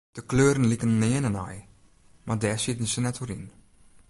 De kleuren liken nearne nei, mar dêr sieten se net oer yn.